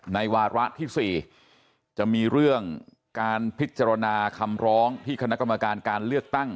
วาระที่๔จะมีเรื่องการพิจารณาคำร้องที่คณะกรรมการการเลือกตั้ง